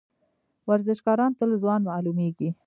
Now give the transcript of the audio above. ورزشکاران تل ځوان معلومیږي.